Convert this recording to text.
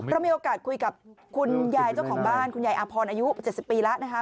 เรามีโอกาสคุยกับคุณยายเจ้าของบ้านคุณยายอาพรอายุ๗๐ปีแล้วนะคะ